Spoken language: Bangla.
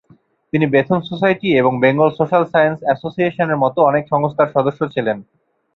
তিনি বেথুন সোসাইটি এবং বেঙ্গল সোশ্যাল সায়েন্স অ্যাসোসিয়েশনের মতো অনেক সংস্থার সদস্য ছিলেন।